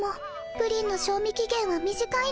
プリンの賞味期限は短いんです。